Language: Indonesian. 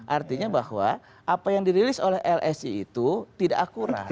artinya bahwa apa yang dirilis oleh lsi itu tidak akurat